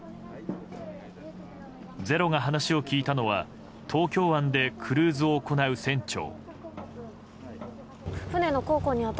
「ｚｅｒｏ」が話を聞いたのは東京湾でクルーズを行う船長。